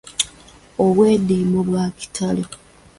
Obwediimo bwa kitalo.